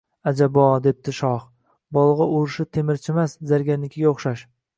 – Ajabo! – debdi shoh. – Bolg‘a urishi temirchimas, zargarnikiga o‘xshaydi.